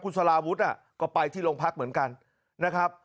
สลาวุฒิก็ไปที่โรงพักเหมือนกันนะครับ